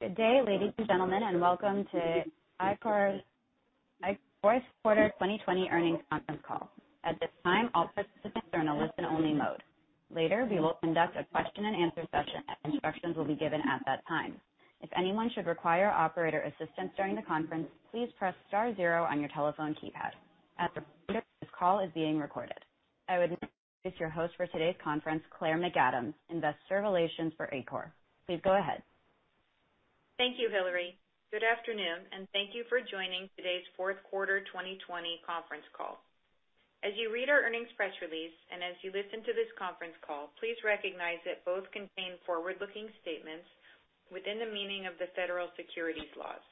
Good day, ladies and gentlemen, and welcome to Ichor's fourth quarter 2020 earnings conference call. At this time, all participants are in listen-only mode. Later, we will conduct a question and answer session, and instructions will be given at that time. If anyone should require operator assistance during the conference, please press star zero on your telephone keypad. As a reminder, this call is being recorded. I would like to introduce your host for today's conference, Claire McAdams, Investor Relations for Ichor. Please go ahead. Thank you, Hillary. Good afternoon, and thank you for joining today's fourth quarter 2020 conference call. As you read our earnings press release, as you listen to this conference call, please recognize that both contain forward-looking statements within the meaning of the federal securities laws.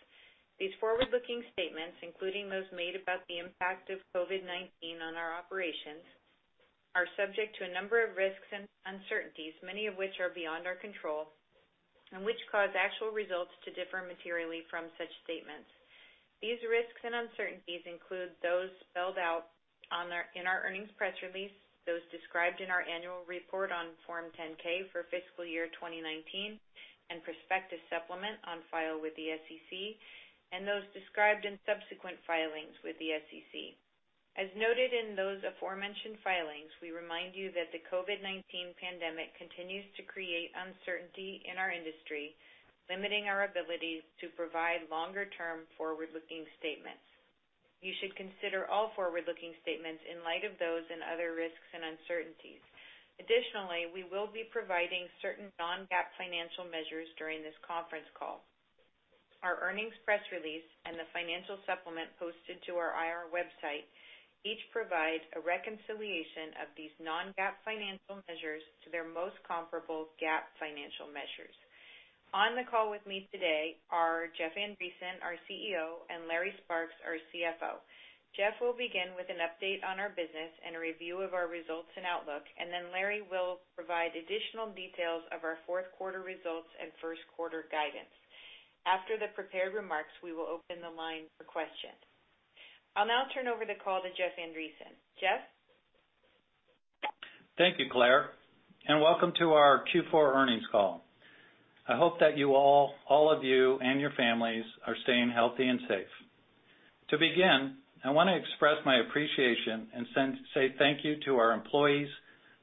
These forward-looking statements, including those made about the impact of COVID-19 on our operations, are subject to a number of risks and uncertainties, many of which are beyond our control and which cause actual results to differ materially from such statements. These risks and uncertainties include those spelled out in our earnings press release, those described in our annual report on Form 10-K for fiscal year 2019 and prospective supplement on file with the SEC, those described in subsequent filings with the SEC. As noted in those aforementioned filings, we remind you that the COVID-19 pandemic continues to create uncertainty in our industry, limiting our ability to provide longer-term forward-looking statements. You should consider all forward-looking statements in light of those and other risks and uncertainties. Additionally, we will be providing certain non-GAAP financial measures during this conference call. Our earnings press release and the financial supplement posted to our IR website each provide a reconciliation of these non-GAAP financial measures to their most comparable GAAP financial measures. On the call with me today are Jeff Andreson, our CEO, and Larry Sparks, our CFO. Jeff will begin with an update on our business and a review of our results and outlook, and then Larry will provide additional details of our fourth quarter results and first quarter guidance. After the prepared remarks, we will open the line for questions. I'll now turn over the call to Jeff Andreson. Jeff? Thank you, Claire, and welcome to our Q4 earnings call. I hope that all of you and your families are staying healthy and safe. To begin, I want to express my appreciation and say thank you to our employees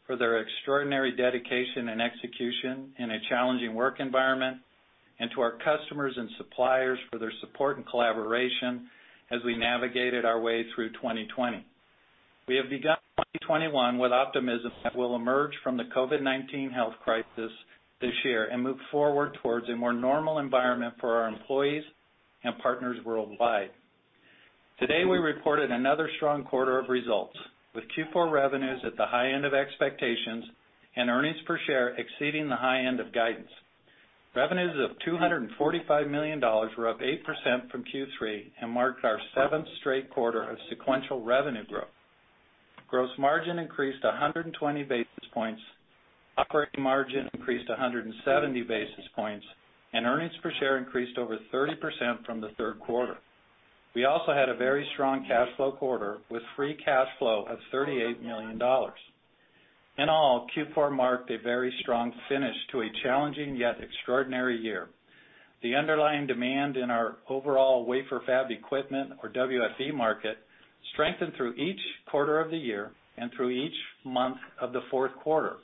for their extraordinary dedication and execution in a challenging work environment, and to our customers and suppliers for their support and collaboration as we navigated our way through 2020. We have begun 2021 with optimism that we'll emerge from the COVID-19 health crisis this year and move forward towards a more normal environment for our employees and partners worldwide. Today, we reported another strong quarter of results, with Q4 revenues at the high end of expectations and earnings per share exceeding the high end of guidance. Revenues of $245 million were up 8% from Q3 and marked our seventh straight quarter of sequential revenue growth. Gross margin increased 120 basis points, operating margin increased 170 basis points, and earnings per share increased over 30% from the third quarter. We also had a very strong cash flow quarter with free cash flow of $38 million. In all, Q4 marked a very strong finish to a challenging, yet extraordinary year. The underlying demand in our overall wafer fab equipment, or WFE market, strengthened through each quarter of the year and through each month of the fourth quarter,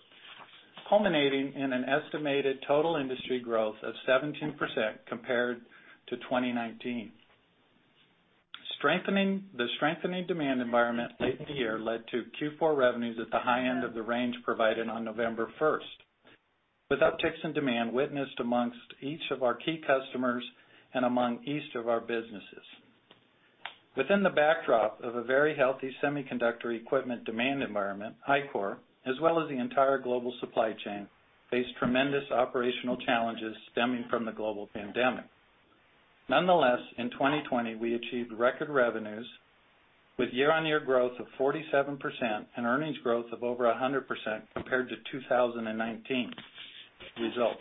culminating in an estimated total industry growth of 17% compared to 2019. The strengthening demand environment late in the year led to Q4 revenues at the high end of the range provided on November 1st, with upticks in demand witnessed amongst each of our key customers and among each of our businesses. Within the backdrop of a very healthy semiconductor equipment demand environment, Ichor, as well as the entire global supply chain, faced tremendous operational challenges stemming from the global pandemic. Nonetheless, in 2020, we achieved record revenues with year-on-year growth of 47% and earnings growth of over 100% compared to 2019 results.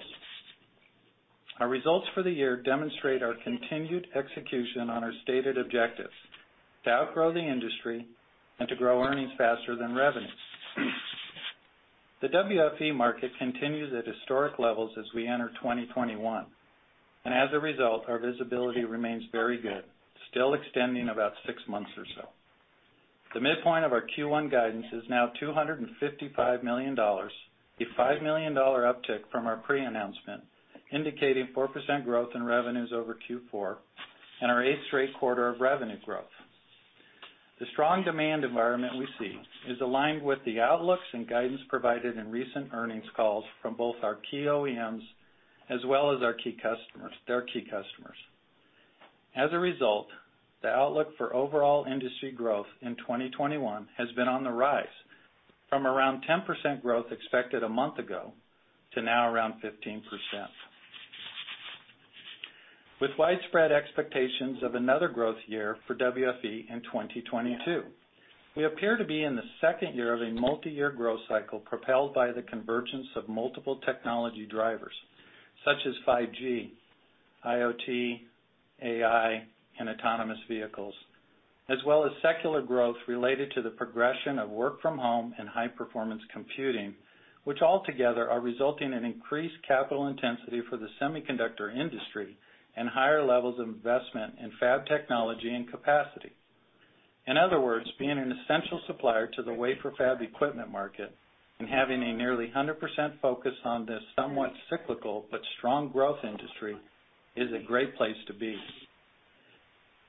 Our results for the year demonstrate our continued execution on our stated objectives: to outgrow the industry and to grow earnings faster than revenues. The WFE market continues at historic levels as we enter 2021, and as a result, our visibility remains very good, still extending about six months or so. The midpoint of our Q1 guidance is now $255 million, a $5 million uptick from our pre-announcement, indicating 4% growth in revenues over Q4 and our eighth straight quarter of revenue growth. The strong demand environment we see is aligned with the outlooks and guidance provided in recent earnings calls from both our key OEMs, as well as their key customers. As a result, the outlook for overall industry growth in 2021 has been on the rise from around 10% growth expected a month ago to now around 15%, with widespread expectations of another growth year for WFE in 2022. We appear to be in the second year of a multi-year growth cycle propelled by the convergence of multiple technology drivers such as 5G, IoT, AI, and autonomous vehicles. As well as secular growth related to the progression of work from home and high-performance computing, which altogether are resulting in increased capital intensity for the semiconductor industry and higher levels of investment in fab technology and capacity. In other words, being an essential supplier to the wafer fab equipment market and having a nearly 100% focus on this somewhat cyclical but strong growth industry is a great place to be.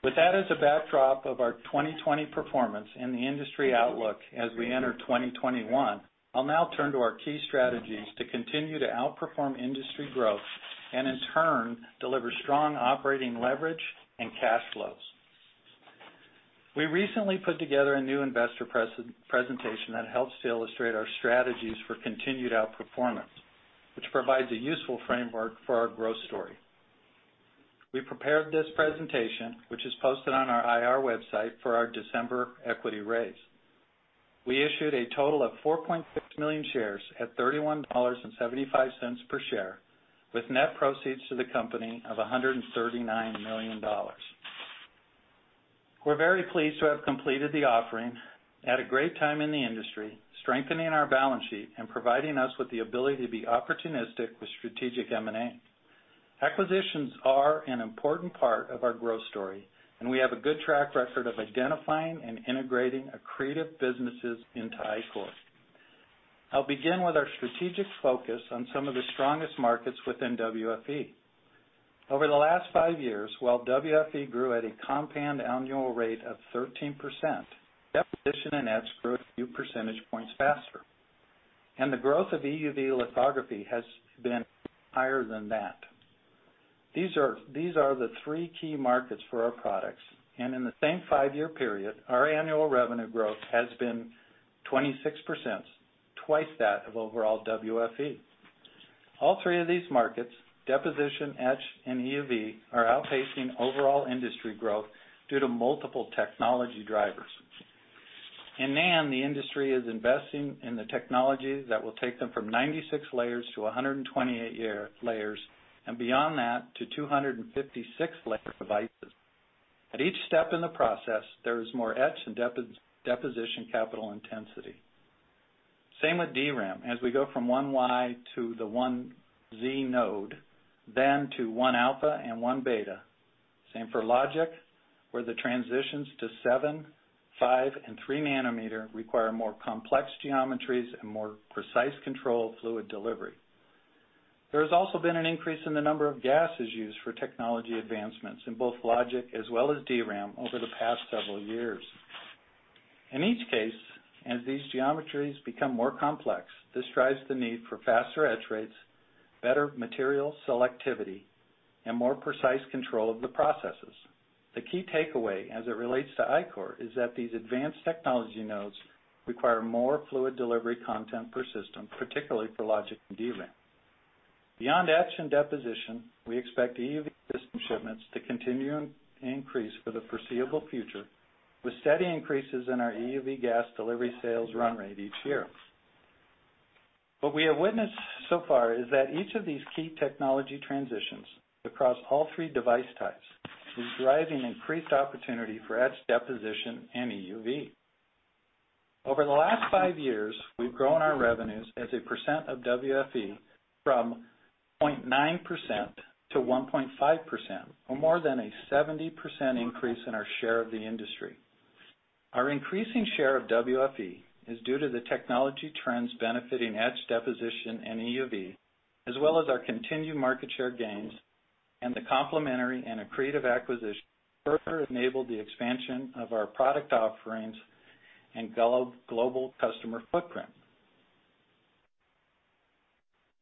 With that as a backdrop of our 2020 performance and the industry outlook as we enter 2021, I'll now turn to our key strategies to continue to outperform industry growth and in turn, deliver strong operating leverage and cash flows. We recently put together a new investor presentation that helps to illustrate our strategies for continued outperformance, which provides a useful framework for our growth story. We prepared this presentation, which is posted on our IR website for our December equity raise. We issued a total of 4.6 million shares at $31.75 per share, with net proceeds to the company of $139 million. We're very pleased to have completed the offering at a great time in the industry, strengthening our balance sheet and providing us with the ability to be opportunistic with strategic M&A. Acquisitions are an important part of our growth story, and we have a good track record of identifying and integrating accretive businesses into Ichor. I'll begin with our strategic focus on some of the strongest markets within WFE. Over the last five years, while WFE grew at a compound annual rate of 13%, Deposition and Etch grew a few percentage points faster, and the growth of EUV lithography has been higher than that. These are the three key markets for our products, and in the same five-year period, our annual revenue growth has been 26%, twice that of overall WFE. All three of these markets, Deposition, Etch, and EUV, are outpacing overall industry growth due to multiple technology drivers. In NAND, the industry is investing in the technologies that will take them from 96 layers to 128 layers, and beyond that to 256-layer devices. At each step in the process, there is more etch and deposition capital intensity. Same with DRAM, as we go from 1Y to the 1Z node, then to 1-alpha and 1-beta. Same for logic, where the transitions to seven, five, and 3 nm require more complex geometries and more precise control of fluid delivery. There has also been an increase in the number of gases used for technology advancements in both logic as well as DRAM over the past several years. In each case, as these geometries become more complex, this drives the need for faster etch rates, better material selectivity, and more precise control of the processes. The key takeaway as it relates to Ichor is that these advanced technology nodes require more fluid delivery content per system, particularly for logic and DRAM. Beyond etch and deposition, we expect EUV system shipments to continue and increase for the foreseeable future, with steady increases in our EUV gas delivery sales run rate each year. What we have witnessed so far is that each of these key technology transitions across all three device types is driving increased opportunity for etch, deposition, and EUV. Over the last five years, we've grown our revenues as a percent of WFE from 0.9% to 1.5%, or more than a 70% increase in our share of the industry. Our increasing share of WFE is due to the technology trends benefiting etch, deposition, and EUV, as well as our continued market share gains and the complementary and accretive acquisitions further enabled the expansion of our product offerings and global customer footprint.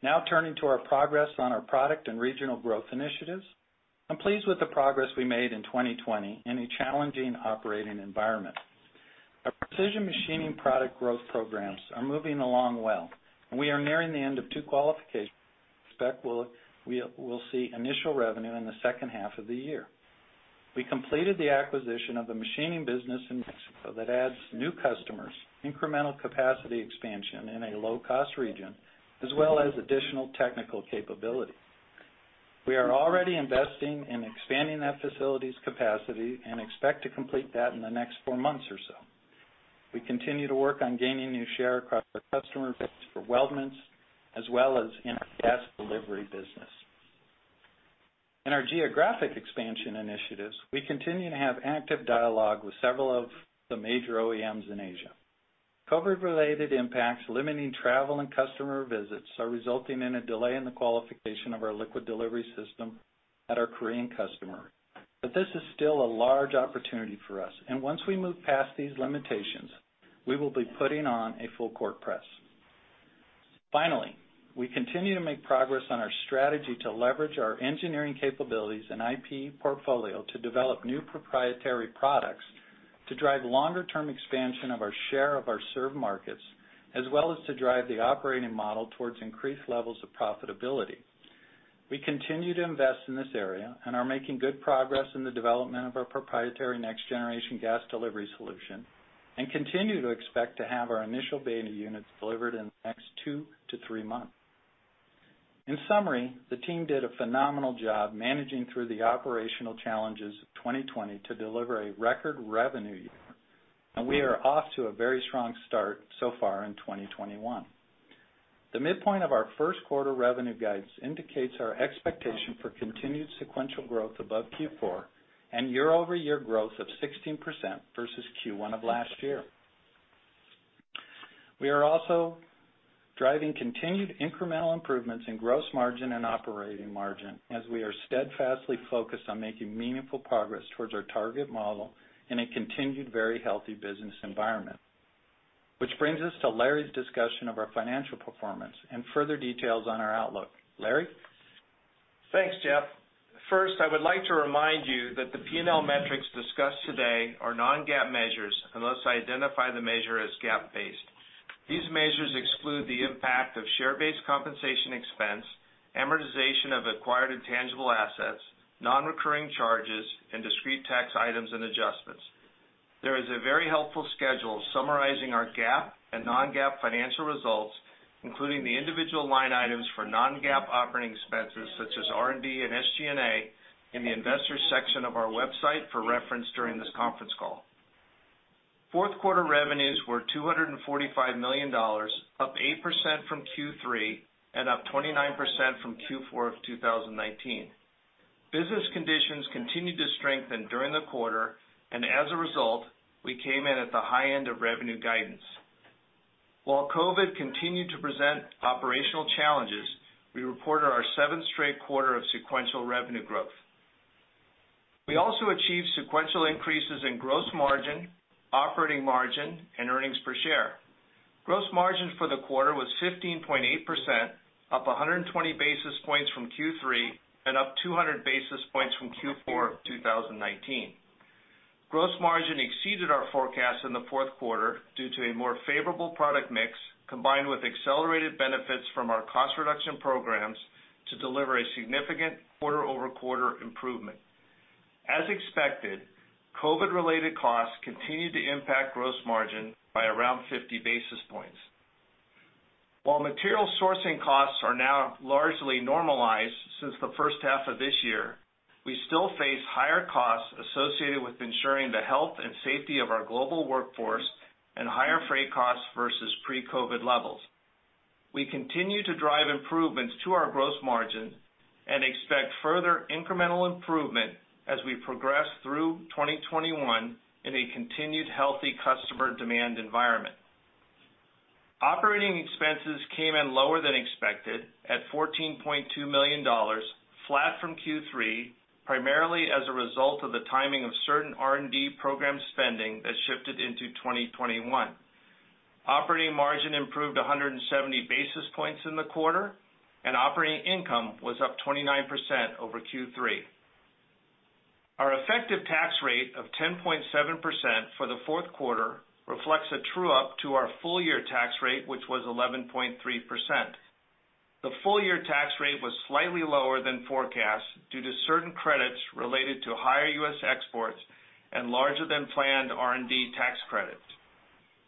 Now turning to our progress on our product and regional growth initiatives. I'm pleased with the progress we made in 2020 in a challenging operating environment. Our precision machining product growth programs are moving along well, and we are nearing the end of two qualifications. We expect we'll see initial revenue in the second half of the year. We completed the acquisition of the machining business in Mexico that adds new customers, incremental capacity expansion in a low-cost region, as well as additional technical capability. We are already investing in expanding that facility's capacity and expect to complete that in the next four months or so. We continue to work on gaining new share across our customer base for weldments, as well as in our gas delivery business. In our geographic expansion initiatives, we continue to have active dialogue with several of the major OEMs in Asia. COVID-related impacts limiting travel and customer visits are resulting in a delay in the qualification of our liquid delivery system at our Korean customer. This is still a large opportunity for us. Once we move past these limitations, we will be putting on a full-court press. Finally, we continue to make progress on our strategy to leverage our engineering capabilities and IP portfolio to develop new proprietary products to drive longer-term expansion of our share of our served markets, as well as to drive the operating model towards increased levels of profitability. We continue to invest in this area and are making good progress in the development of our proprietary next-generation gas delivery solution and continue to expect to have our initial beta units delivered in the next two to three months. In summary, the team did a phenomenal job managing through the operational challenges of 2020 to deliver a record revenue year. We are off to a very strong start so far in 2021. The midpoint of our first quarter revenue guidance indicates our expectation for continued sequential growth above Q4 and year-over-year growth of 16% versus Q1 of last year. We are also driving continued incremental improvements in gross margin and operating margin as we are steadfastly focused on making meaningful progress towards our target model in a continued very healthy business environment. Which brings us to Larry's discussion of our financial performance and further details on our outlook. Larry? Thanks, Jeff. First, I would like to remind you that the P&L metrics discussed today are non-GAAP measures, unless I identify the measure as GAAP-based. These measures exclude the impact of share-based compensation expense, amortization of acquired intangible assets, non-recurring charges, and discrete tax items and adjustments. There is a very helpful schedule summarizing our GAAP and non-GAAP financial results, including the individual line items for non-GAAP operating expenses such as R&D and SG&A, in the Investors section of our website for reference during this conference call. Fourth quarter revenues were $245 million, up 8% from Q3 and up 29% from Q4 of 2019. Business conditions continued to strengthen during the quarter, as a result, we came in at the high end of revenue guidance. While COVID continued to present operational challenges, we reported our seventh straight quarter of sequential revenue growth. We also achieved sequential increases in gross margin, operating margin, and earnings per share. Gross margin for the quarter was 15.8%, up 120 basis points from Q3 and up 200 basis points from Q4 2019. Gross margin exceeded our forecast in the fourth quarter due to a more favorable product mix, combined with accelerated benefits from our cost reduction programs to deliver a significant quarter-over-quarter improvement. As expected, COVID-19-related costs continued to impact gross margin by around 50 basis points. While material sourcing costs are now largely normalized since the first half of this year, we still face higher costs associated with ensuring the health and safety of our global workforce and higher freight costs versus pre-COVID-19 levels. We continue to drive improvements to our gross margin and expect further incremental improvement as we progress through 2021 in a continued healthy customer demand environment. Operating expenses came in lower than expected at $14.2 million, flat from Q3, primarily as a result of the timing of certain R&D program spending that shifted into 2021. Operating margin improved 170 basis points in the quarter. Operating income was up 29% over Q3. Our effective tax rate of 10.7% for the fourth quarter reflects a true-up to our full-year tax rate, which was 11.3%. The full-year tax rate was slightly lower than forecast due to certain credits related to higher U.S. exports and larger than planned R&D tax credits.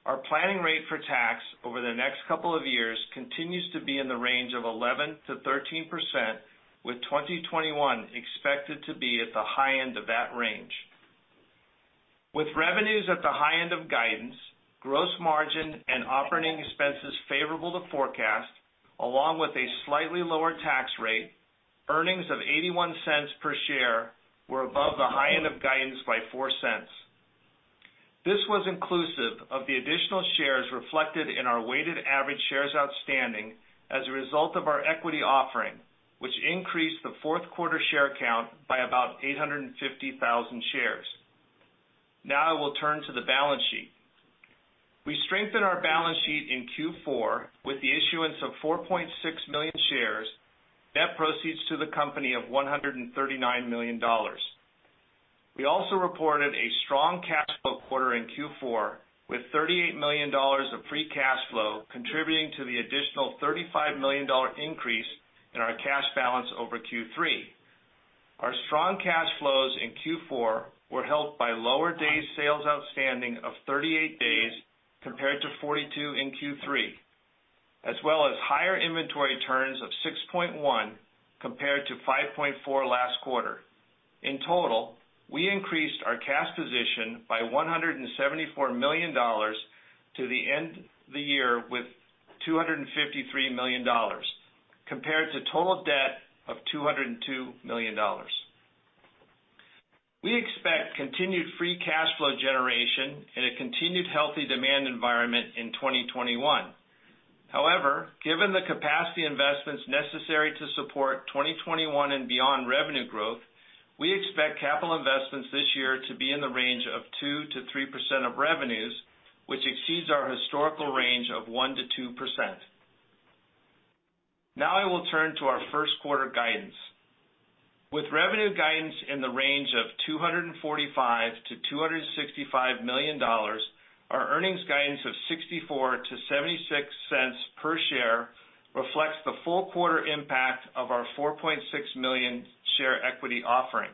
Our planning rate for tax over the next couple of years continues to be in the range of 11%-13%, with 2021 expected to be at the high end of that range. With revenues at the high end of guidance, gross margin and operating expenses favorable to forecast, along with a slightly lower tax rate, earnings of $0.81 per share were above the high end of guidance by $0.04. This was inclusive of the additional shares reflected in our weighted average shares outstanding as a result of our equity offering, which increased the fourth quarter share count by about 850,000 shares. I will turn to the balance sheet. We strengthened our balance sheet in Q4 with the issuance of 4.6 million shares, net proceeds to the company of $139 million. We also reported a strong cash flow quarter in Q4, with $38 million of free cash flow contributing to the additional $35 million increase in our cash balance over Q3. Our strong cash flows in Q4 were helped by lower days sales outstanding of 38 days compared to 42 in Q3, as well as higher inventory turns of 6.1 compared to 5.4 last quarter. In total, we increased our cash position by $174 million to the end of the year with $253 million, compared to total debt of $202 million. We expect continued free cash flow generation in a continued healthy demand environment in 2021. However, given the capacity investments necessary to support 2021 and beyond revenue growth, we expect capital investments this year to be in the range of 2%-3% of revenues, which exceeds our historical range of 1%-2%. Now I will turn to our first quarter guidance. With revenue guidance in the range of $245 million-$265 million, our earnings guidance of $0.64-$0.76 per share reflects the full quarter impact of our 4.6 million share equity offering.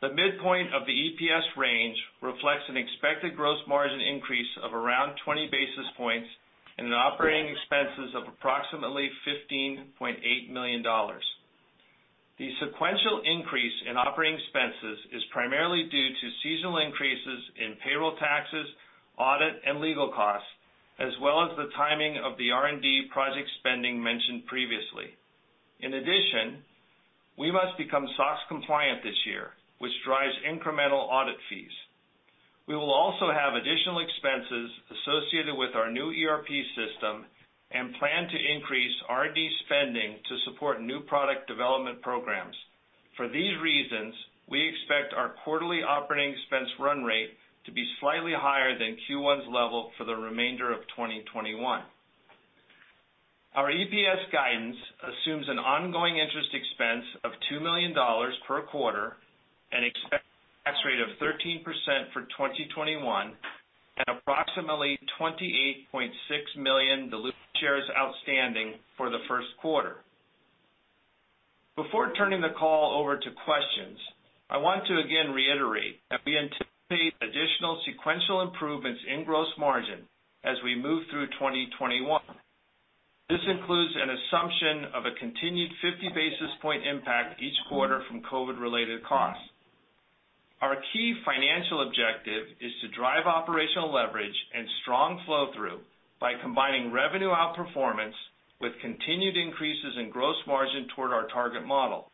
The midpoint of the EPS range reflects an expected gross margin increase of around 20 basis points and an operating expenses of approximately $15.8 million. The sequential increase in operating expenses is primarily due to seasonal increases in payroll taxes, audit, and legal costs, as well as the timing of the R&D project spending mentioned previously. In addition, we must become SOX compliant this year, which drives incremental audit fees. We will also have additional expenses associated with our new ERP system and plan to increase R&D spending to support new product development programs. For these reasons, we expect our quarterly operating expense run rate to be slightly higher than Q1's level for the remainder of 2021. Our EPS guidance assumes an ongoing interest expense of $2 million per quarter, an expected tax rate of 13% for 2021, and approximately 28.6 million diluted shares outstanding for the first quarter. Before turning the call over to questions, I want to again reiterate that we anticipate additional sequential improvements in gross margin as we move through 2021. This includes an assumption of a continued 50 basis point impact each quarter from COVID related costs. Our key financial objective is to drive operational leverage and strong flow-through by combining revenue outperformance with continued increases in gross margin toward our target model.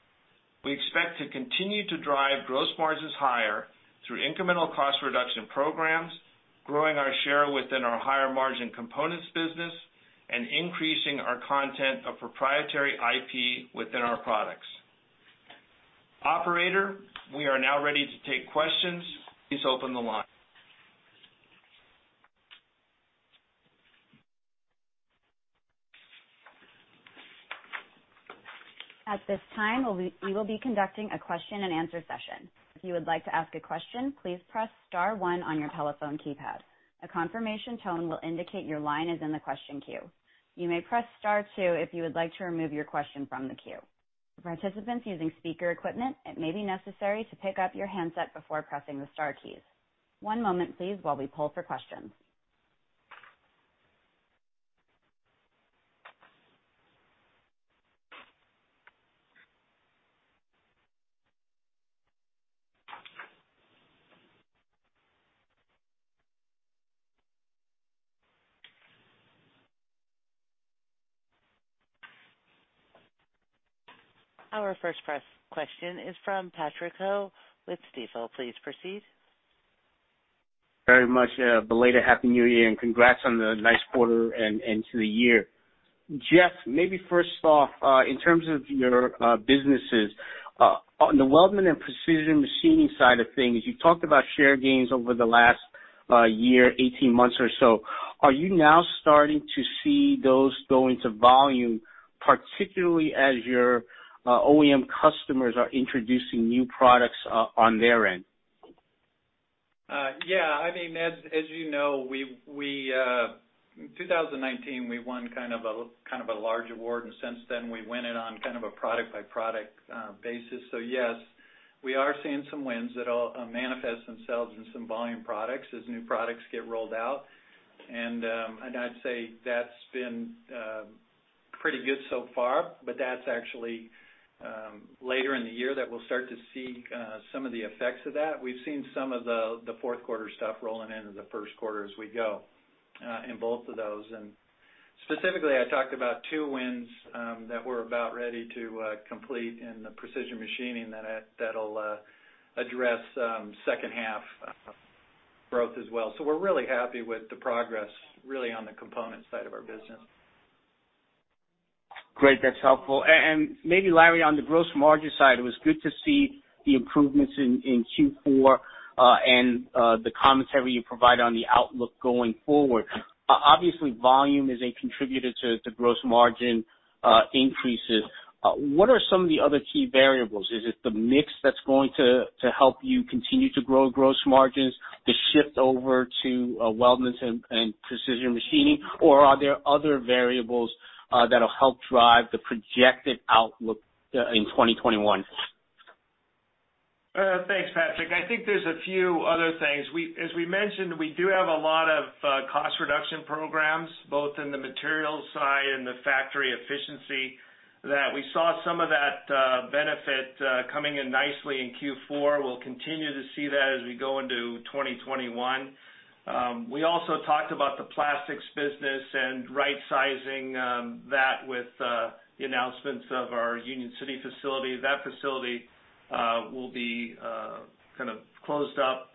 We expect to continue to drive gross margins higher through incremental cost reduction programs, growing our share within our higher margin components business, and increasing our content of proprietary IP within our products. Operator, we are now ready to take questions. Please open the line. At this time, we will be conducting a question and answer session. If you would like to ask a question, please press star one on your telephone keypad. A confirmation tone will indicate your line is in the question queue. You may press star two if you would like to remove your question from the queue. For participants using speaker equipment, it may be necessary to pick up your handset before pressing the star keys. One moment please while we pull for questions. Our first press question is from Patrick Ho with Stifel. Please proceed. Very much. A belated happy New Year and congrats on the nice quarter and to the year. Jeff, maybe first off, in terms of your businesses, on the weldment and precision machining side of things, you talked about share gains over the last year, 18 months or so. Are you now starting to see those go into volume, particularly as your OEM customers are introducing new products on their end? Yeah. As you know, 2019, we won kind of a large award, and since then we went in on kind of a product-by-product basis. Yes, we are seeing some wins that'll manifest themselves in some volume products as new products get rolled out. I'd say that's been pretty good so far, but that's actually later in the year that we'll start to see some of the effects of that. We've seen some of the fourth quarter stuff rolling into the first quarter as we go in both of those. Specifically, I talked about two wins that we're about ready to complete in the precision machining that'll address second half growth as well. We're really happy with the progress really on the component side of our business. Great. That's helpful. Maybe Larry, on the gross margin side, it was good to see the improvements in Q4, and the commentary you provided on the outlook going forward. Obviously, volume is a contributor to gross margin increases. What are some of the other key variables? Is it the mix that's going to help you continue to grow gross margins, the shift over to weldments and precision machining, or are there other variables that'll help drive the projected outlook in 2021? Thanks, Patrick. I think there's a few other things. As we mentioned, we do have a lot of cost reduction programs, both in the materials side and the factory efficiency, that we saw some of that benefit coming in nicely in Q4. We'll continue to see that as we go into 2021. We also talked about the plastics business and rightsizing that with the announcements of our Union City facility. That facility will be kind of closed up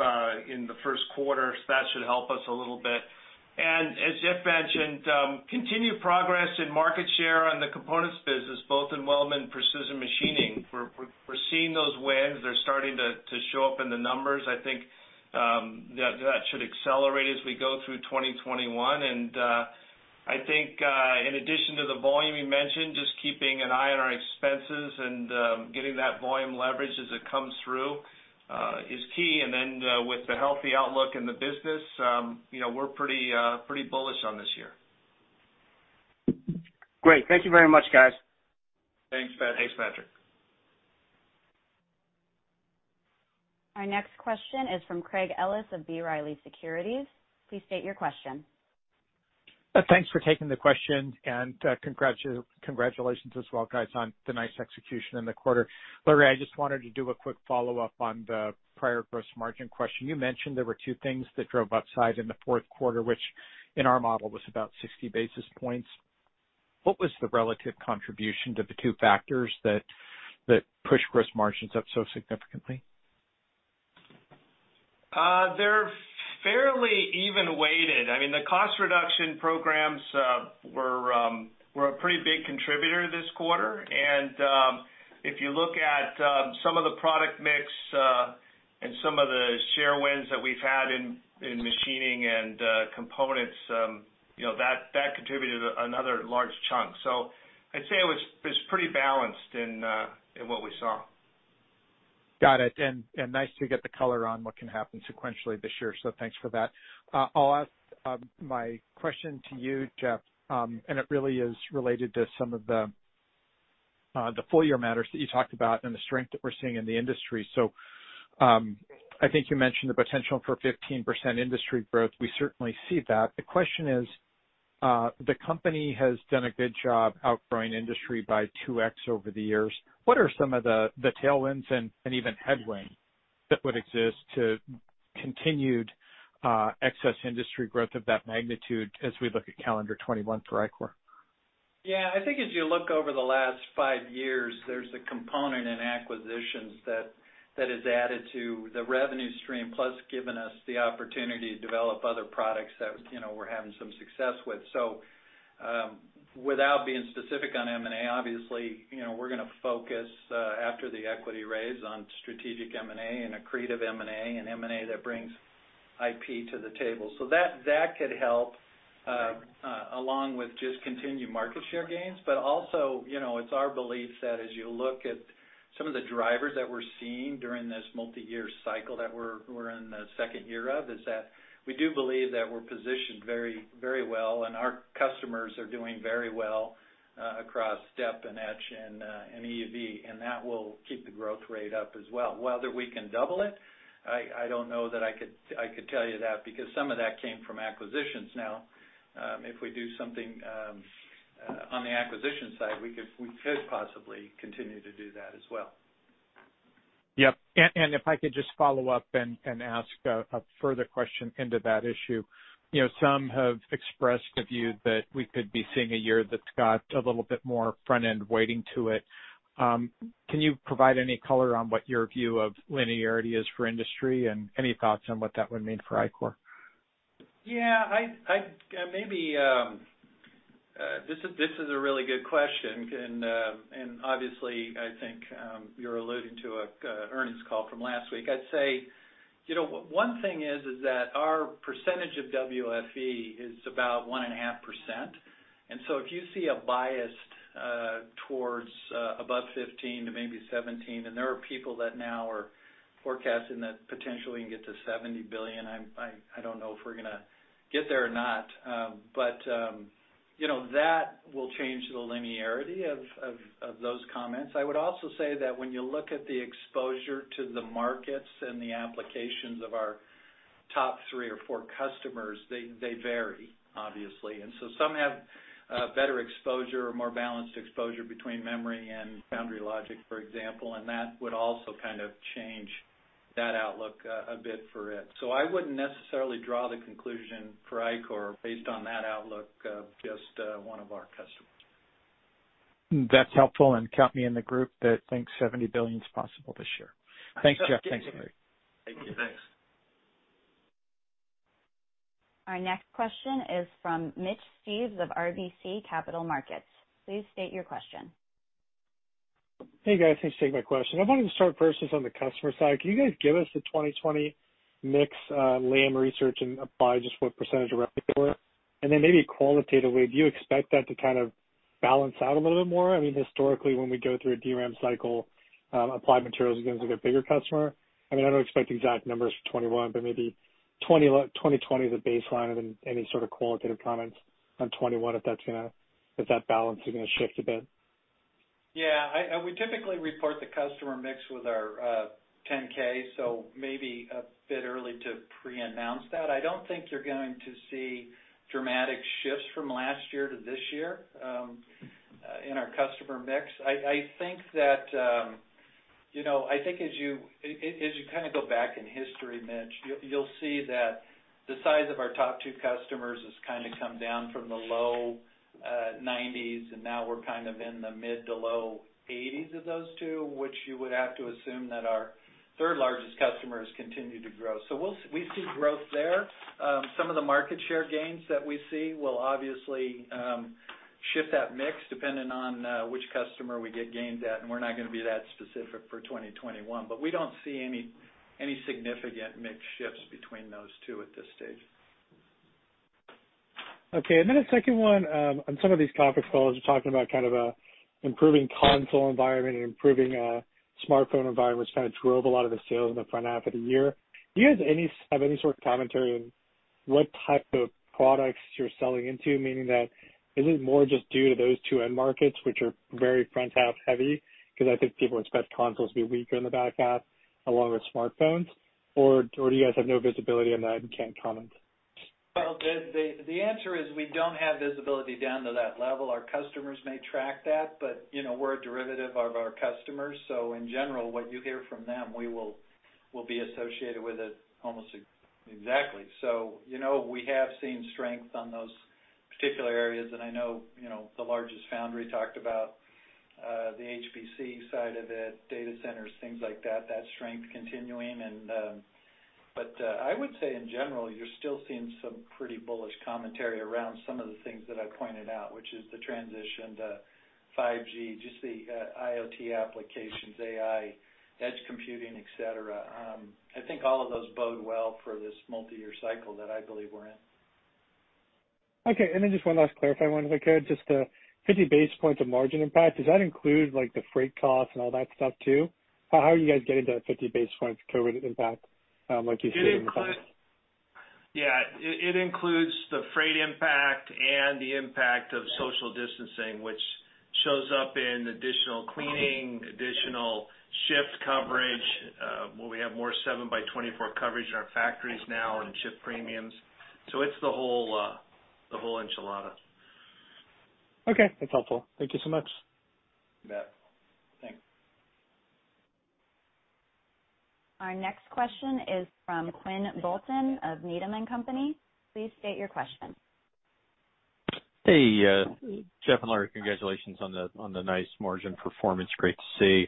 in the first quarter, that should help us a little bit. As Jeff mentioned, continued progress in market share on the components business, both in weldment and precision machining. We're seeing those wins. They're starting to show up in the numbers. I think that should accelerate as we go through 2021. I think, in addition to the volume you mentioned, just keeping an eye on our expenses and getting that volume leverage as it comes through is key. With the healthy outlook in the business, we're pretty bullish on this year. Great. Thank you very much, guys. Thanks, Pat. Thanks, Patrick. Our next question is from Craig Ellis of B. Riley Securities. Please state your question. Thanks for taking the question, and congratulations as well, guys, on the nice execution in the quarter. Larry, I just wanted to do a quick follow-up on the prior gross margin question. You mentioned there were two things that drove upside in the fourth quarter, which in our model was about 60 basis points. What was the relative contribution to the two factors that pushed gross margins up so significantly? They're fairly even weighted. The cost reduction programs were a pretty big contributor this quarter. If you look at some of the product mix and some of the share wins that we've had in machining and components, that contributed another large chunk. I'd say it was pretty balanced in what we saw. Got it. Nice to get the color on what can happen sequentially this year, so thanks for that. I'll ask my question to you, Jeff, and it really is related to some of the full-year matters that you talked about and the strength that we're seeing in the industry. I think you mentioned the potential for 15% industry growth. We certainly see that. The question is, the company has done a good job outgrowing industry by 2x over the years. What are some of the tailwinds and even headwind that would exist to continued excess industry growth of that magnitude as we look at calendar 2021 for Ichor? I think as you look over the last five years, there's a component in acquisitions that has added to the revenue stream, plus given us the opportunity to develop other products that we're having some success with. Without being specific on M&A, obviously, we're going to focus, after the equity raise, on strategic M&A and accretive M&A and M&A that brings IP to the table. That could help along with just continued market share gains. Also, it's our belief that as you look at some of the drivers that we're seeing during this multi-year cycle that we're in the second year of, is that we do believe that we're positioned very well, and our customers are doing very well across Dep and Etch and EUV, and that will keep the growth rate up as well. Whether we can double it, I don't know that I could tell you that, because some of that came from acquisitions now. If we do something on the acquisition side, we could possibly continue to do that as well. Yep. If I could just follow up and ask a further question into that issue. Some have expressed the view that we could be seeing a year that's got a little bit more front-end weighting to it. Can you provide any color on what your view of linearity is for industry and any thoughts on what that would mean for Ichor? Yeah. This is a really good question, and obviously, I think you're alluding to an earnings call from last week. I'd say one thing is that our percentage of WFE is about 1.5%. If you see a bias towards above 15%-17%, there are people that now are forecasting that potentially you can get to $70 billion, I don't know if we're going to get there or not. That will change the linearity of those comments. I would also say that when you look at the exposure to the markets and the applications of our top three or four customers, they vary obviously. Some have better exposure or more balanced exposure between memory and foundry logic, for example, that would also kind of change that outlook a bit for it. I wouldn't necessarily draw the conclusion for Ichor based on that outlook of just one of our customers. That's helpful, and count me in the group that thinks $70 billion is possible this year. Thanks, Jeff. Thanks, Larry. Thank you. Thanks. Our next question is from Mitch Steves of RBC Capital Markets. Please state your question. Hey, guys. Thanks for taking my question. I wanted to start first just on the customer side. Can you guys give us the 2020 mix Lam Research and Applied, just what percentage of rep they were? Maybe qualitatively, do you expect that to kind of balance out a little bit more? Historically, when we go through a DRAM cycle, Applied Materials begins with a bigger customer. I don't expect exact numbers for 2021, but maybe 2020 is a baseline, and then any sort of qualitative comments on 2021, if that balance is going to shift a bit. Yeah. We typically report the customer mix with our 10-K, so maybe a bit early to pre-announce that. I don't think you're going to see dramatic shifts from last year to this year in our customer mix. I think as you kind of go back in history, Mitch, you'll see that the size of our top two customers has kind of come down from the low 90s, and now we're kind of in the mid to low 80s of those two, which you would have to assume that our third largest customers continue to grow. We see growth there. Some of the market share gains that we see will obviously shift that mix depending on which customer we get gains at, and we're not going to be that specific for 2021. We don't see any significant mix shifts between those two at this stage. Okay, a second one. On some of these conference calls, you're talking about kind of improving console environment and improving smartphone environment, which kind of drove a lot of the sales in the front half of the year. Do you guys have any sort of commentary on what type of products you're selling into, meaning that is it more just due to those two end markets, which are very front half heavy? I think people expect consoles to be weaker in the back half, along with smartphones, or do you guys have no visibility on that and can't comment? Well, the answer is we don't have visibility down to that level. Our customers may track that, but we're a derivative of our customers. In general, what you hear from them, we will be associated with it almost exactly. We have seen strength on those particular areas, and I know the largest foundry talked about the HPC side of it, data centers, things like that strength continuing. I would say in general, you're still seeing some pretty bullish commentary around some of the things that I pointed out, which is the transition to 5G, just the IoT applications, AI, edge computing, et cetera. I think all of those bode well for this multiyear cycle that I believe we're in. Okay, then just one last clarifying one if I could. Just the 50 basis points of margin impact. Does that include the freight cost and all that stuff too? How are you guys getting to that 50 basis point COVID impact, like you said in the comments? Yeah. It includes the freight impact and the impact of social distancing, which shows up in additional cleaning, additional shift coverage, where we have more seven-by-24 coverage in our factories now, and shift premiums. It's the whole enchilada. Okay. That's helpful. Thank you so much. You bet. Thanks. Our next question is from Quinn Bolton of Needham & Company. Please state your question. Hey, Jeff and Larry. Congratulations on the nice margin performance. Great to see.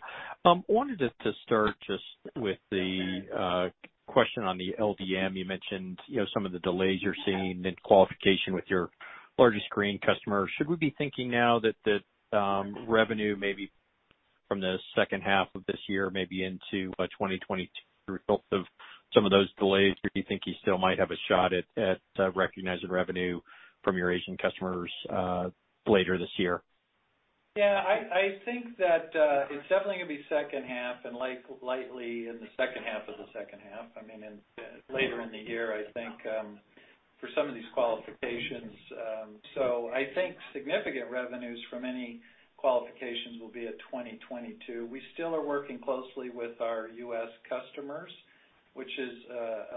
Wanted to start just with the question on the LDM. You mentioned some of the delays you're seeing in qualification with your largest Korean customer. Should we be thinking now that the revenue maybe from the second half of this year, maybe into 2022, results of some of those delays? Do you think you still might have a shot at recognizing revenue from your Asian customers later this year? I think that it's definitely going to be second half, and lightly in the second half of the second half. I mean, later in the year, I think, for some of these qualifications. I think significant revenues from any qualifications will be at 2022. We still are working closely with our U.S. customers, which is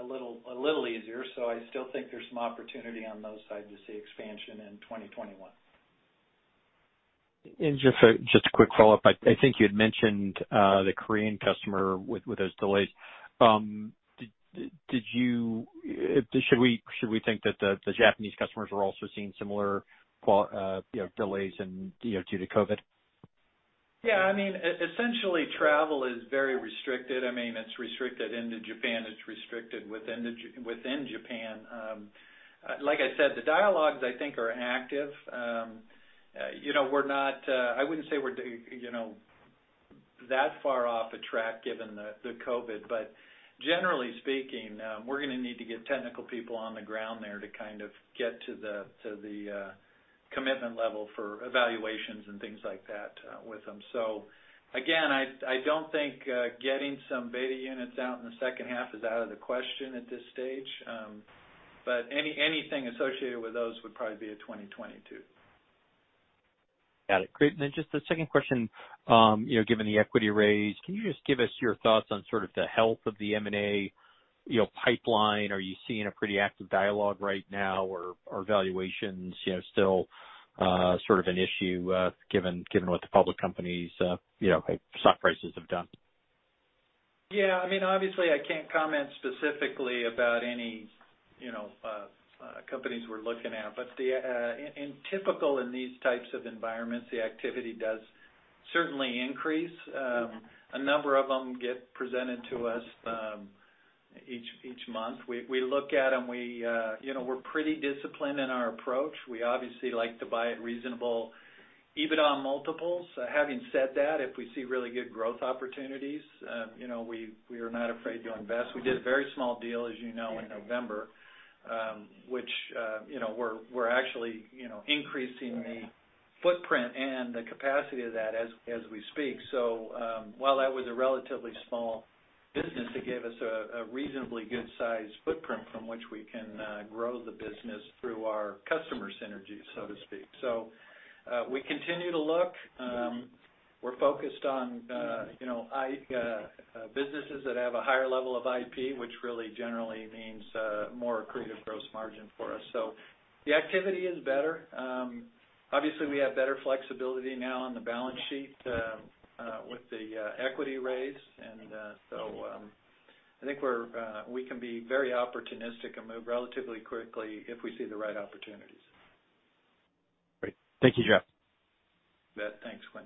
a little easier. I still think there's some opportunity on those sides to see expansion in 2021. Just a quick follow-up. I think you had mentioned the Korean customer with those delays. Should we think that the Japanese customers are also seeing similar delays due to COVID? Yeah. Essentially, travel is very restricted. It's restricted into Japan. It's restricted within Japan. Like I said, the dialogues I think are active. I wouldn't say we're that far off a track given the COVID, but generally speaking, we're going to need to get technical people on the ground there to kind of get to the commitment level for evaluations and things like that with them. Again, I don't think getting some beta units out in the second half is out of the question at this stage. Anything associated with those would probably be a 2022. Got it. Great. Just the second question, given the equity raise, can you just give us your thoughts on sort of the health of the M&A pipeline? Are you seeing a pretty active dialogue right now or are valuations still sort of an issue given what the public companies stock prices have done? Yeah. Obviously, I can't comment specifically about any companies we're looking at, but typical in these types of environments, the activity does certainly increase. A number of them get presented to us each month. We look at them. We're pretty disciplined in our approach. We obviously like to buy at reasonable EBITDA multiples. Having said that, if we see really good growth opportunities, we are not afraid to invest. We did a very small deal, as you know, in November, which we're actually increasing the footprint and the capacity of that as we speak. While that was a relatively small business, it gave us a reasonably good size footprint from which we can grow the business through our customer synergy, so to speak. We continue to look. We're focused on businesses that have a higher level of IP, which really generally means more accretive gross margin for us. The activity is better. Obviously, we have better flexibility now on the balance sheet with the equity raise, and so I think we can be very opportunistic and move relatively quickly if we see the right opportunities. Great. Thank you, Jeff. You bet. Thanks, Quinn.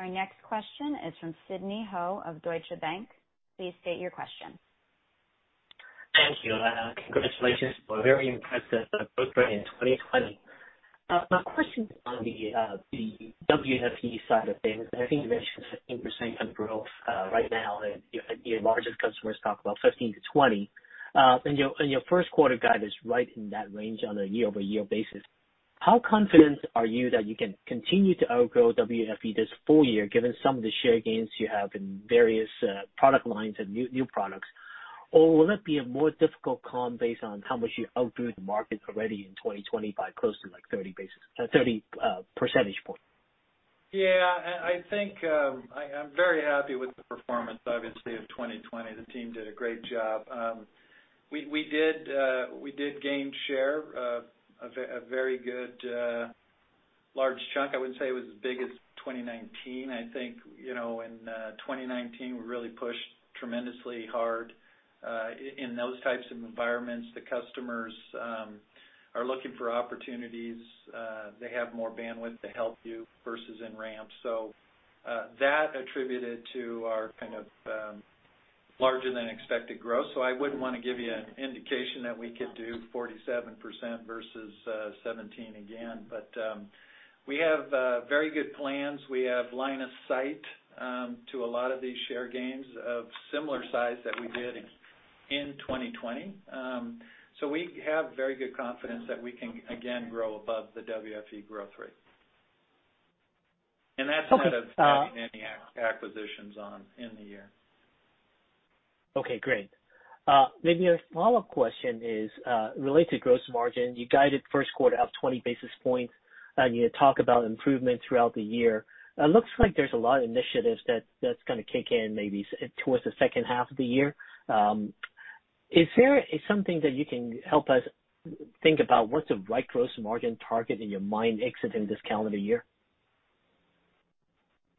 Our next question is from Sidney Ho of Deutsche Bank. Please state your question. Thank you. Congratulations for a very impressive growth rate in 2020. My question on the WFE side of things, I think you mentioned 15% of growth right now. Your largest customers talk about 15%-20%, and your first quarter guide is right in that range on a year-over-year basis. How confident are you that you can continue to outgrow WFE this full-year, given some of the share gains you have in various product lines and new products? Or will it be a more difficult comp based on how much you outgrew the market already in 2020 by close to 30 percentage points? Yeah, I think I'm very happy with the performance, obviously, of 2020. The team did a great job. We did gain share, a very good large chunk. I wouldn't say it was as big as 2019. I think in 2019, we really pushed tremendously hard, in those types of environments, the customers are looking for opportunities. They have more bandwidth to help you versus in ramp. That attributed to our kind of larger than expected growth. I wouldn't want to give you an indication that we could do 47% versus 17% again. We have very good plans. We have line of sight to a lot of these share gains of similar size that we did in 2020. We have very good confidence that we can, again, grow above the WFE growth rate. Okay. That's without having any acquisitions on in the year. Okay, great. Maybe a follow-up question is related to gross margin. You guided first quarter up 20 basis points, and you talk about improvement throughout the year. It looks like there's a lot of initiatives that's going to kick in maybe towards the second half of the year. Is there something that you can help us think about? What's the right gross margin target in your mind exiting this calendar year?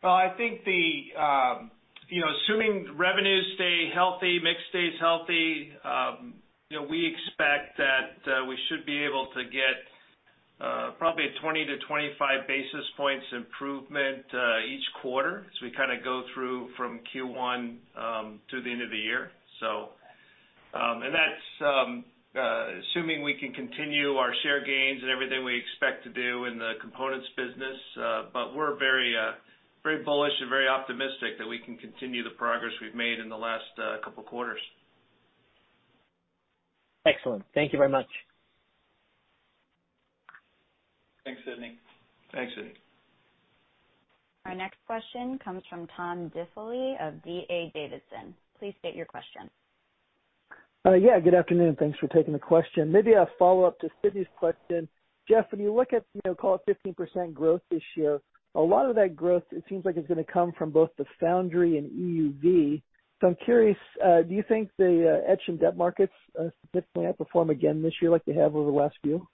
I think assuming revenues stay healthy, mix stays healthy, we expect that we should be able to get probably a 20-25 basis points improvement each quarter as we kind of go through from Q1 to the end of the year. That's assuming we can continue our share gains and everything we expect to do in the components business. We're very bullish and very optimistic that we can continue the progress we've made in the last couple of quarters. Excellent. Thank you very much. Thanks, Sidney. Thanks, Sidney. Our next question comes from Tom Diffely of D.A. Davidson. Please state your question. Yeah, good afternoon. Thanks for taking the question. Maybe a follow-up to Sidney's question. Jeff, when you look at, call it 15% growth this year, a lot of that growth, it seems like it's going to come from both the foundry and EUV. I'm curious, do you think the etch and dep markets significantly outperform again this year like they have over the last few?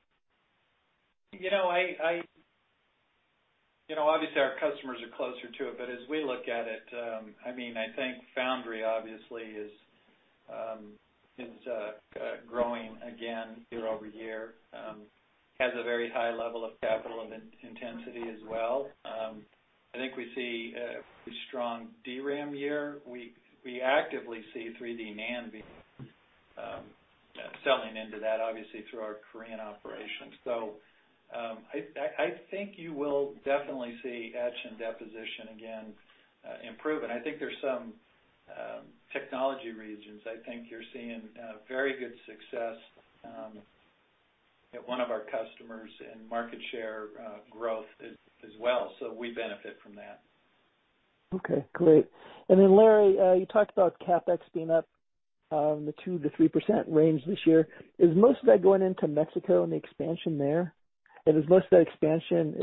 Obviously our customers are closer to it, but as we look at it, I think foundry obviously is growing again year-over-year. Has a very high level of capital intensity as well. I think we see a strong DRAM year. We actively see 3D NAND selling into that, obviously, through our Korean operations. I think you will definitely see Etch and Deposition again improving. I think there's some technology regions. I think you're seeing very good success at one of our customers and market share growth as well. We benefit from that. Okay, great. Larry, you talked about CapEx being up in the 2%-3% range this year. Is most of that going into Mexico and the expansion there? Is most of that expansion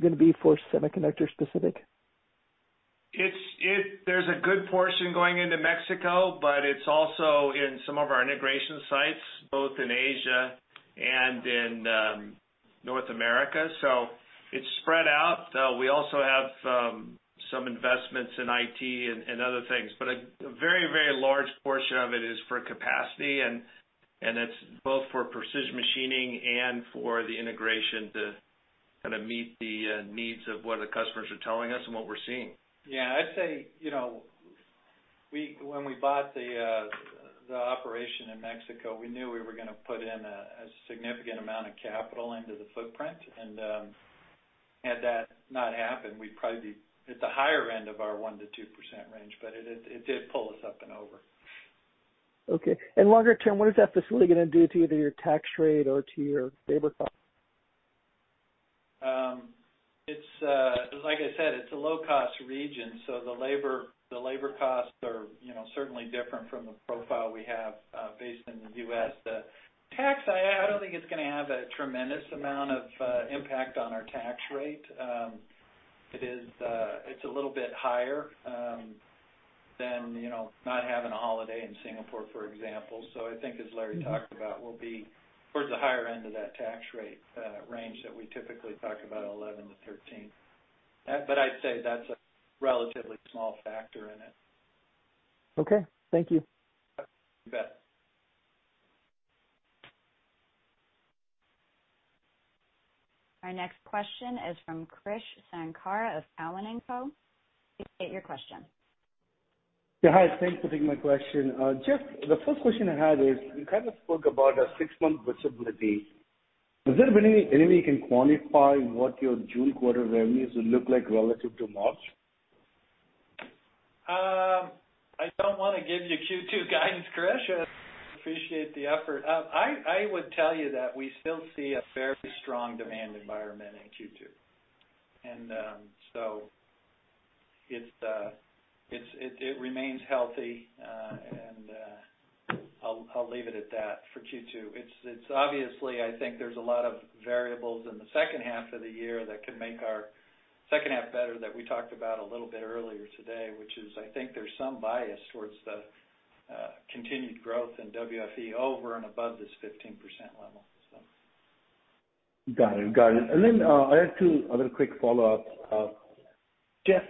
going to be for semiconductor specific? There's a good portion going into Mexico, but it's also in some of our integration sites, both in Asia and in North America. It's spread out. We also have some investments in IT and other things. A very large portion of it is for capacity, and it's both for precision machining and for the integration to kind of meet the needs of what the customers are telling us and what we're seeing. I'd say, when we bought the operation in Mexico, we knew we were going to put in a significant amount of capital into the footprint. Had that not happened, we'd probably be at the higher end of our 1%-2% range, but it did pull us up and over. Okay. Longer term, what is that facility going to do to either your tax rate or to your labor cost? I said, it's a low-cost region. The labor costs are certainly different from the profile we have based in the U.S.. The tax, I don't think it's going to have a tremendous amount of impact on our tax rate. It's a little bit higher than not having a holiday in Singapore, for example. I think as Larry talked about, we'll be towards the higher end of that tax rate range that we typically talk about, 11%-13%. I'd say that's a relatively small factor in it. Okay. Thank you. You bet. Our next question is from Krish Sankar of Cowen and Co.. Please state your question. Yeah. Hi. Thanks for taking my question. Jeff, the first question I had is, you kind of spoke about a six-month visibility. Is there any way you can quantify what your June quarter revenues will look like relative to March? I don't want to give you Q2 guidance, Krish. I appreciate the effort. I would tell you that we still see a fairly strong demand environment in Q2, and so it remains healthy, and I'll leave it at that for Q2. Obviously, I think there's a lot of variables in the second half of the year that could make our second half better that we talked about a little bit earlier today, which is, I think there's some bias towards the continued growth in WFE over and above this 15% level. Got it. I have two other quick follow-ups. Jeff,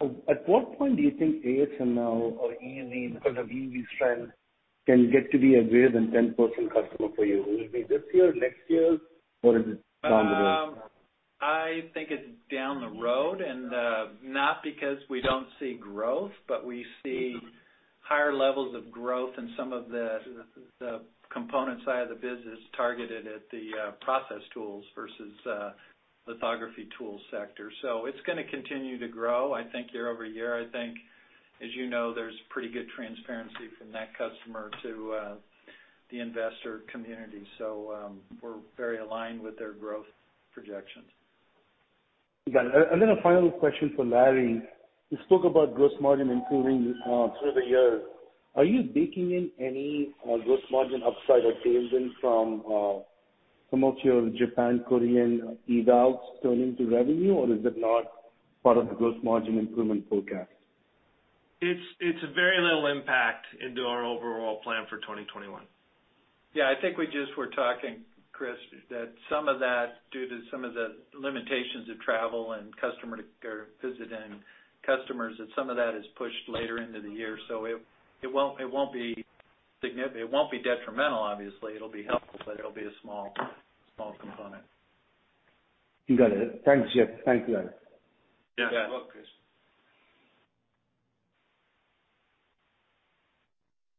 at what point do you think ASML or any, because of EUV's trend, can get to be a greater than 10% customer for you? Will it be this year, next year, or is it down the road? I think it's down the road, not because we don't see growth, but we see higher levels of growth in some of the component side of the business targeted at the process tools versus lithography tool sector. It's going to continue to grow, I think year-over-year. I think, as you know, there's pretty good transparency from that customer to the investor community. We're very aligned with their growth projections. Got it. A final question for Larry. You spoke about gross margin improving through the year. Are you baking in any gross margin upside or tailwinds from some of your Japan, Korean evals turning to revenue, or is it not part of the gross margin improvement forecast? It's very little impact into our overall plan for 2021. Yeah. I think we just were talking, Krish, that some of that, due to some of the limitations of travel and customer visiting customers, that some of that is pushed later into the year. It won't be detrimental, obviously. It'll be helpful, but it'll be a small component. Got it. Thanks, Jeff. Thanks, Larry. Yeah. You're welcome, Krish.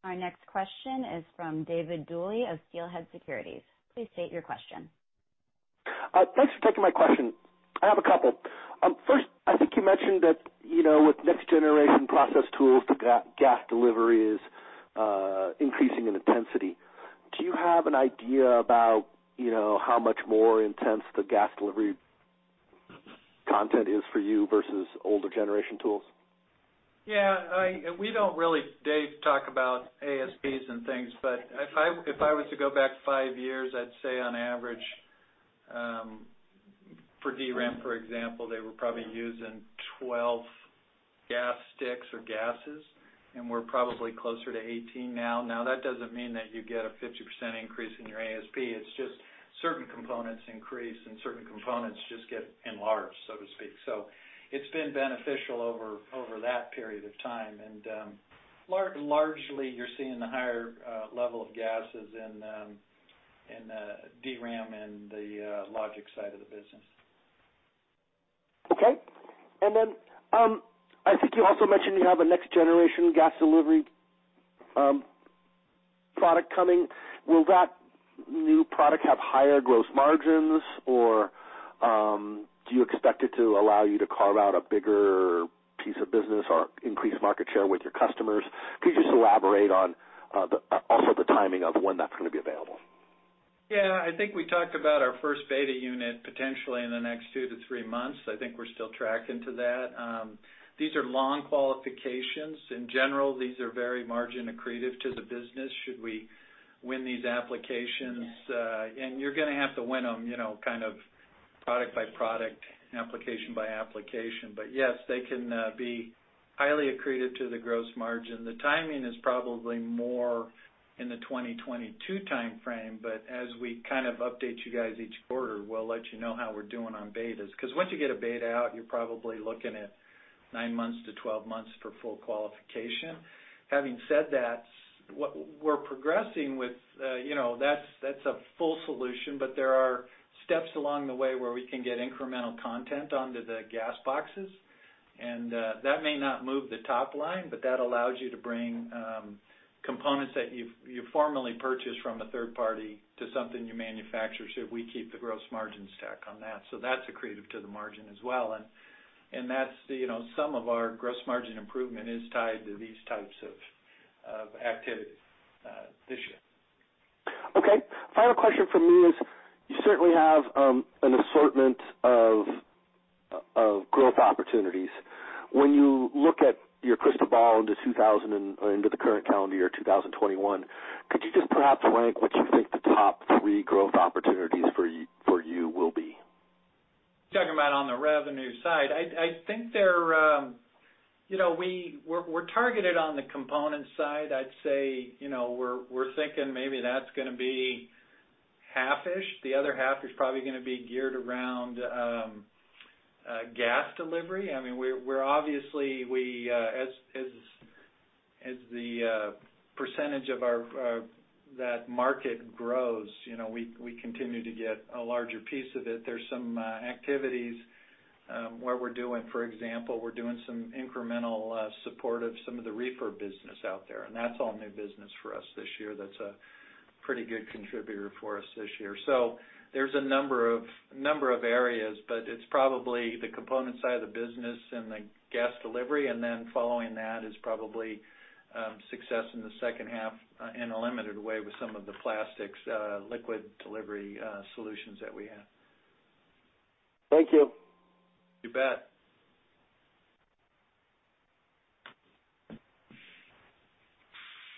Our next question is from David Duley of Steelhead Securities. Please state your question. Thanks for taking my question. I have a couple. First, I think you mentioned that with next generation process tools, the gas delivery is increasing in intensity. Do you have an idea about how much more intense the gas delivery content is for you versus older generation tools? Yeah. We don't really, Dave, talk about ASPs and things. If I was to go back five years, I'd say on average, for DRAM, for example, they were probably using 12 gas sticks or gases, and we're probably closer to 18 now. Now, that doesn't mean that you get a 50% increase in your ASP. It's just certain components increase and certain components just get enlarged, so to speak. It's been beneficial over that period of time, and largely, you're seeing the higher level of gases in the DRAM and the logic side of the business. Okay. I think you also mentioned you have a next generation gas delivery product coming. Will that new product have higher gross margins, or do you expect it to allow you to carve out a bigger piece of business or increase market share with your customers? Could you just elaborate on also the timing of when that's going to be available? I think we talked about our first beta unit potentially in the next two to three months. I think we're still tracking to that. These are long qualifications. In general, these are very margin accretive to the business should we win these applications. You're going to have to win them kind of product by product, application by application. Yes, they can be highly accretive to the gross margin. The timing is probably more in the 2022 timeframe, as we kind of update you guys each quarter, we'll let you know how we're doing on betas. Once you get a beta out, you're probably looking at nine months to 12 months for full qualification. Having said that, we're progressing. That's a full solution, but there are steps along the way where we can get incremental content onto the gas boxes, and that may not move the top line, but that allows you to bring components that you formerly purchased from a third party to something you manufacture should we keep the gross margin stack on that. That's accretive to the margin as well, and some of our gross margin improvement is tied to these types of activities this year. Okay. Final question from me is, you certainly have an assortment of growth opportunities. When you look at your crystal ball into the current calendar year, 2021, could you just perhaps rank what you think the top three growth opportunities for you will be? Talking about on the revenue side, I think we're targeted on the component side. I'd say we're thinking maybe that's going to be half-ish. The other half is probably going to be geared around gas delivery. As the percentage of that market grows, we continue to get a larger piece of it. There's some activities where we're doing, for example, we're doing some incremental support of some of the reticle business out there, and that's all new business for us this year. That's a pretty good contributor for us this year. There's a number of areas, but it's probably the component side of the business and the gas delivery, and then following that is probably success in the second half in a limited way with some of the plastics liquid delivery solutions that we have. Thank you. You bet.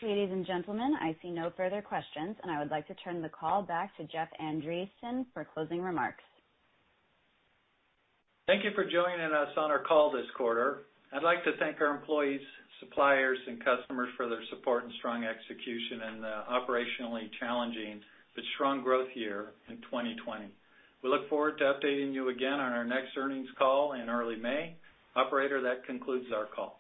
Ladies and gentlemen, I see no further questions, and I would like to turn the call back to Jeff Andreson for closing remarks. Thank you for joining us on our call this quarter. I'd like to thank our employees, suppliers, and customers for their support and strong execution in the operationally challenging, but strong growth year in 2020. We look forward to updating you again on our next earnings call in early May. Operator, that concludes our call.